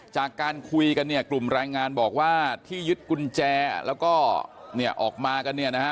จากการคุยกันเนี่ยกลุ่มแรงงานบอกว่าที่ยึดกุญแจแล้วก็เนี่ยออกมากันเนี่ยนะฮะ